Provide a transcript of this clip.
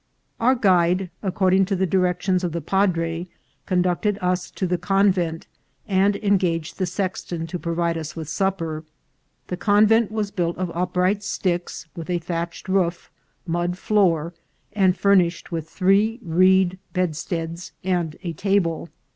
Our guide, according to the directions of the padre, conducted us to the convent, and engaged the sexton to provide us with supper. The convent was built of upright sticks, with a thatched roof, mud floor, and furnished with three reed bedsteads and a table.